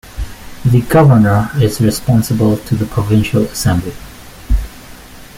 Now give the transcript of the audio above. The governor is responsible to the Provincial Assembly.